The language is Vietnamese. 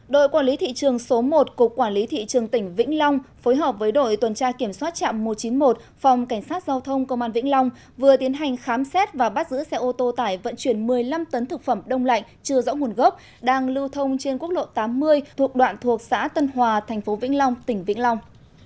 đội quản lý thị trường số một cục quản lý thị trường tỉnh vĩnh long phối hợp với đội tuần tra kiểm soát chạm một trăm chín mươi một phòng cảnh sát giao thông công an vĩnh long vừa tiến hành khám xét và bắt giữ xe ô tô tải vận chuyển một mươi năm tấn thực phẩm đông lạnh chưa rõ nguồn gốc đang lưu thông trên quốc lộ tám mươi thuộc đoạn thuộc xã tân hòa tp vĩnh long tỉnh vĩnh long